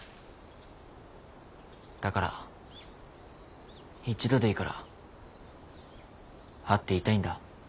だから一度でいいから会って言いたいんだ